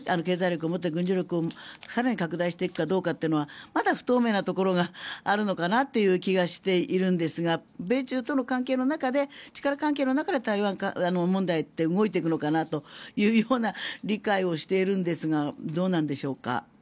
経済力を持って軍事力を更に拡大していくかどうかはまだ不透明なところがあるのかなという気がしているんですが米中との力関係の中で台湾問題って動いていくのかなというような理解をしているんですがどうなんでしょうか。